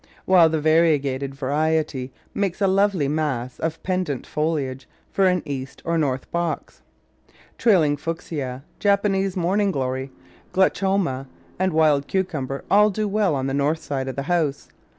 while the varie gated variety makes a lovely mass of pendent foliage for an east or north box. Trailing Fuchsia, Japanese Morning glory, Glechoma, and Wild Cucumber all do well on the north side of the house.